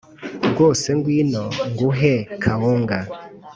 rwose ngwino nguhe kawunga